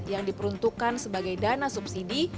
yang diperuntukkan sebagai dana subsidi